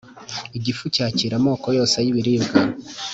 Igifu cyakira amoko yose y’ibiribwa,